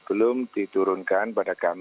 belum diturunkan pada kejaksaan